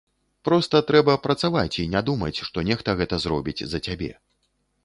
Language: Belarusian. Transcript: Проста трэба працаваць і не думаць, што нехта гэта зробіць за цябе.